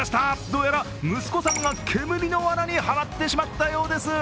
どうやら息子さんが煙のわなにハマってしまったようです。